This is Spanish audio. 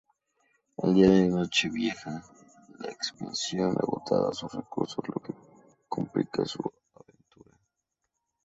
El día de Nochevieja, la expedición agota sus recursos, lo que complica su aventura.